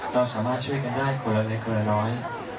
เราสามารถช่วยกันได้คนละเล็กคนละน้อย